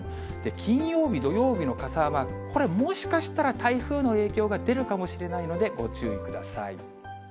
金曜日、土曜日の傘マーク、これもしかしたら台風の影響が出るかもしれないので、ご注意ください。